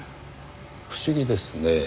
不思議ですねぇ。